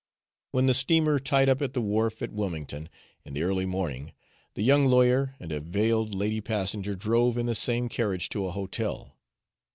When the steamer tied up at the wharf at Wilmington, in the early morning, the young lawyer and a veiled lady passenger drove in the same carriage to a hotel.